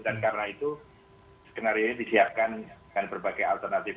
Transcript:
dan karena itu skenario ini disiapkan dengan berbagai alternatif